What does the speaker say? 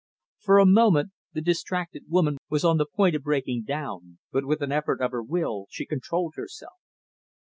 For a moment, the distracted woman was on the point of breaking down; but with an effort of her will, she controlled herself.